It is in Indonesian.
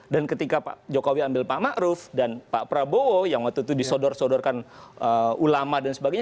dan ketika pak jokowi ambil pak ma'ruf dan pak prabowo yang waktu itu disodor sodorkan ulama dan sebagainya